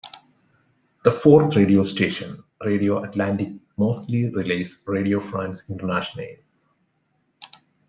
The fourth radio station, Radio Atlantique, mostly relays Radio France Internationale.